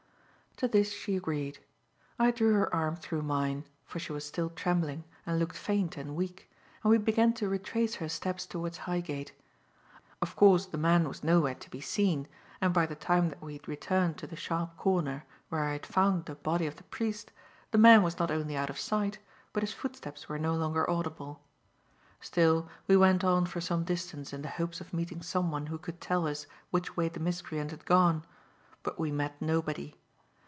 To this she agreed. I drew her arm through mine for she was still trembling and looked faint and weak and we began to retrace her steps towards Highgate. Of course the man was nowhere to be seen, and by the time that we had turned the sharp corner where I had found the body of the priest, the man was not only out of sight, but his footsteps were no longer audible. Still we went on for some distance in the hopes of meeting someone who could tell us which way the miscreant had gone. But we met nobody.